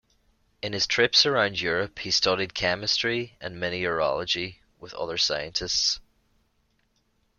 In his trips around Europe he studied chemistry and mineralogy with other scientists.